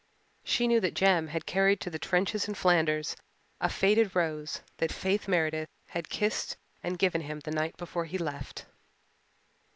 She knew that Jem had carried to the trenches in Flanders a faded rose that Faith Meredith had kissed and given him the night before he left.